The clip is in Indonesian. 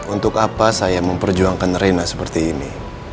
untuk apa saya memperjuangkan rena seperti ini